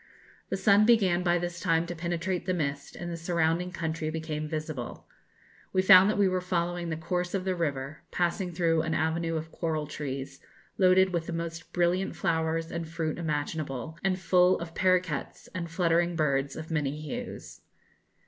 The sun began by this time to penetrate the mist, and the surrounding country became visible. We found that we were following the course of the river, passing through an avenue of coral trees, loaded with the most brilliant flowers and fruit imaginable, and full of parroquets and fluttering birds of many hues.